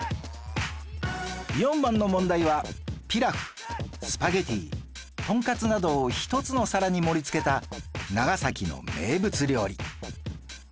４番の問題はピラフスパゲティとんかつなどを１つの皿に盛り付けた長崎の名物料理